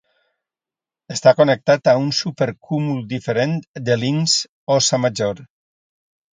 Està connectat a un supercúmul diferent de Linx-Óssa Major.